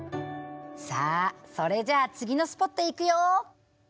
さあそれじゃあ次のスポットへ行くよ。